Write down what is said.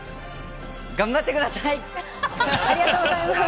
頑張ってください！